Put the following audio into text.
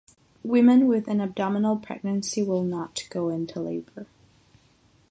Women with an abdominal pregnancy will not go into labor.